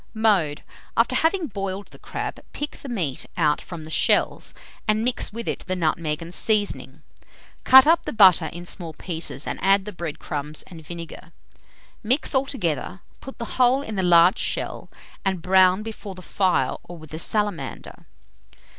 Mode. After having boiled the crab, pick the meat out from the shells, and mix with it the nutmeg and seasoning. Cut up the butter in small pieces, and add the bread crumbs and vinegar. Mix altogether, put the whole in the large shell, and brown before the fire or with a salamander.